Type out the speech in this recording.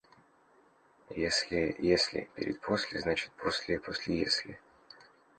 Если «если» перед «после», значит «после» после «если».